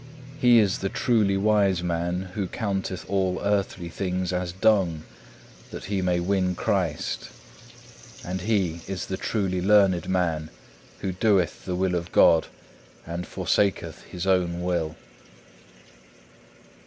He is the truly wise man, who counteth all earthly things as dung that he may win Christ. And he is the truly learned man, who doeth the will of God, and forsaketh his own will.